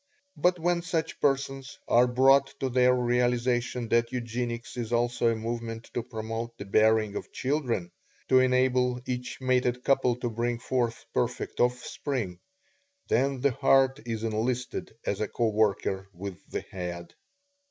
But when such persons are brought to their realization that Eugenics is also a movement to promote the bearing of children to enable each mated couple to bring forth perfect offspring then the heart is enlisted as a co worker with the head.